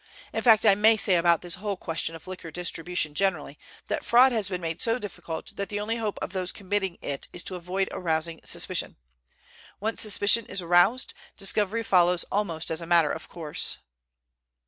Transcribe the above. In fact, I may say about this whole question of liquor distribution generally, that fraud has been made so difficult that the only hope of those committing it is to avoid arousing suspicion. Once suspicion is aroused, discovery follows almost as a matter of course."